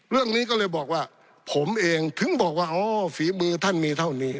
เรื่องนี้ก็เลยบอกว่าผมเองถึงบอกว่าอ๋อฝีมือท่านมีเท่านี้